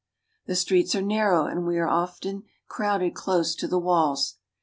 The streets are narrow, and we are often crowded close to the walls.